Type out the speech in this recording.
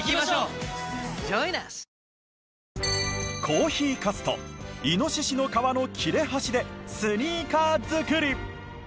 コーヒーかすとイノシシの革の切れ端でスニーカー作り。